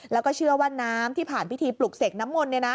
แล้วก็เชื่อว่าน้ำที่ผ่านพิธีปลุกเสกน้ำมนต์